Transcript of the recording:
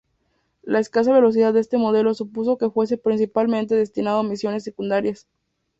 La escasa velocidad de este modelo supuso que fuese principalmente destinado a misiones secundarias.